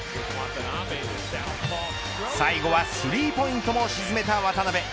最後はスリーポイントも沈めた渡邊。